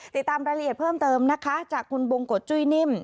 ติดตามรายละเอียดเพิ่มเติมนะคะจากคุณบงกฎจุ้ยนิ่ม